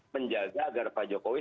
menjaga agar pak jokowi